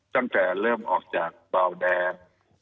ตั้งแต่เริ่มออกจากเบาแดง